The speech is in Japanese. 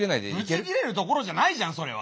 ぶち切れるところじゃないじゃんそれは。